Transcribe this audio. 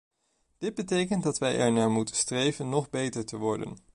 Dit betekent dat wij ernaar moeten streven nog beter te worden.